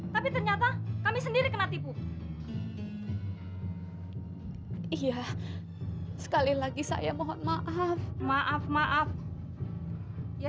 tapi ternyata kami sendiri kena tipu iya sekali lagi saya mohon maaf maaf maaf maaf ya